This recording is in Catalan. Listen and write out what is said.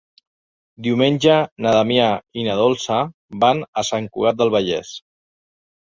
Diumenge na Damià i na Dolça van a Sant Cugat del Vallès.